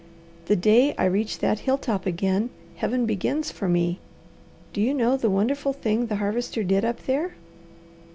The day I reach that hill top again, Heaven begins for me. Do you know the wonderful thing the Harvester did up there?"